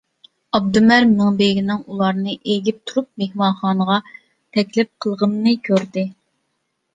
ئابدۇمەر مىڭبېگىنىڭ ئۇلارنى ئېگىلىپ تۇرۇپ مېھمانخانىغا تەكلىپ قىلغىنىنى كۆردى.